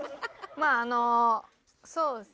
まああのそうですね